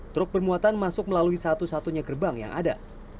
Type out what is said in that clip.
truk bermuatan masuk melalui satu satunya gerbang yang ada